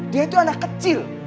dia tuh anak kecil